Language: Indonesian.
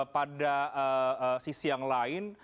pada sisi yang lain